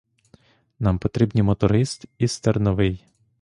Нам потрібні моторист і стерновий.